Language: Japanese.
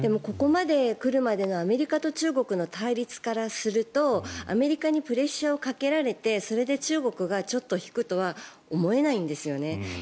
ここまで来るまでのアメリカと中国の対立からするとアメリカにプレッシャーをかけられてそれで中国がちょっと引くとは思えないんですよね。